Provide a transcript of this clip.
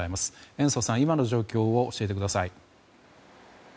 延増さん、今の状況を教えてください。